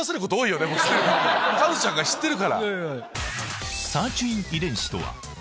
カズさんが知ってるから。